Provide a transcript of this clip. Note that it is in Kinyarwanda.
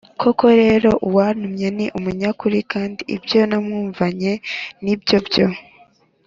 Koko rero uwantumye ni umunyakuri kandi ibyo namwumvanye ni byo byo